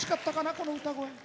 この歌声。